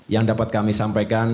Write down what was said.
yang dapat kami sampaikan